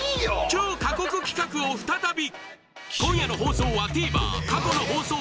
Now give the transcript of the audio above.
超過酷企画を再び！